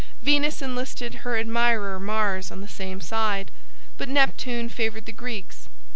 Venus enlisted her admirer Mars on the same side, but Neptune favored the Greeks.